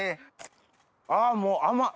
あもう甘っ！